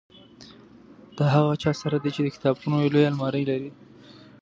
د هغه چا سره دی چې د کتابونو لویه المارۍ لري.